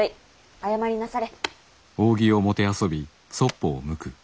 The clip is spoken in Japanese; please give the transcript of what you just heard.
謝りなされ。